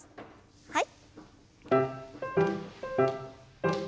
はい。